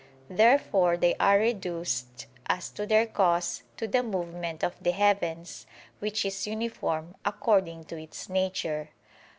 Therefore they are reduced, as to their cause, to the movement of the heavens, which is uniform according to its nature.